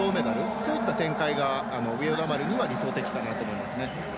そういった展開が上与那原には理想的かなと思います。